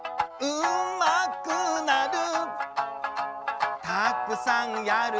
「うまくなる」